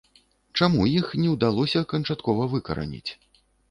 Чаму іх не ўдалося канчаткова выкараніць?